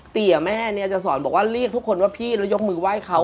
เตี๋ยแม่เนี่ยจะสอนบอกว่าเรียกทุกคนว่าพี่แล้วยกมือไหว้เขา